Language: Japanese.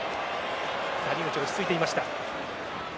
谷口、落ち着いていました。